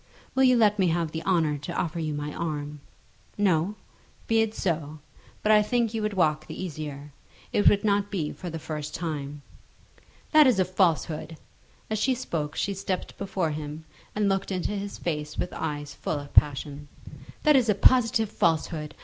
Will you let me have the honour to offer you my arm? No! Be it so; but I think you would walk the easier. It would not be for the first time." "That is a falsehood." As she spoke she stepped before him, and looked into his face with eyes full of passion. "That is a positive falsehood.